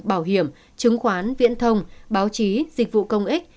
bảo hiểm chứng khoán viễn thông báo chí dịch vụ công ích